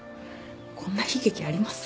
こんな悲劇あります？